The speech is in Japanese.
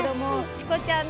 チコちゃん